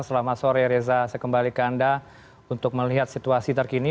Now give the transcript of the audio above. selamat sore reza saya kembali ke anda untuk melihat situasi terkini